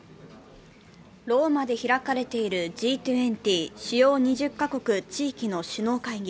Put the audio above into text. ローマで開かれているＧ２０＝主要２０カ国・地域の首脳会議